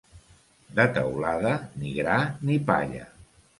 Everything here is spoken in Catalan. De Teulada, ni gra ni palla.